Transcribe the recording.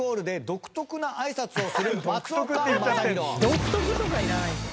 「独特」とかいらないんだよ。